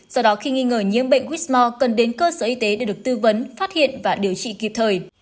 do đó khi nghi ngờ nhiễm bệnh whmore cần đến cơ sở y tế để được tư vấn phát hiện và điều trị kịp thời